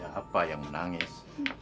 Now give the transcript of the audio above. siapa yang menangis